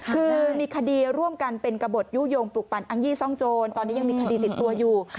คือมีคดีร่วมกันเป็นกระบดยู่โยงปลูกปั่นอังยี่ซ่องโจรตอนนี้ยังมีคดีติดตัวอยู่